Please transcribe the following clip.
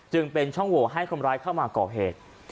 จึงเป็นช่องโหวให้คนร้ายเข้ามาก่อเหตุ